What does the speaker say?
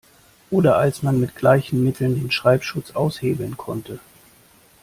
Oder als man mit gleichen Mitteln den Schreibschutz aushebeln konnte.